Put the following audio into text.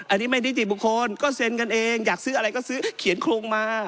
อันนี้ไม่นิติบุคคลก็เซ็นกันเองอยากซื้ออะไรก็ซื้อเขียนโครงมา